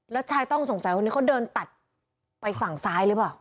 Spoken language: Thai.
แล้วชายต้องสงสัยคนนี้เขาเดินตัดไปฝั่งซ้ายหรือเปล่า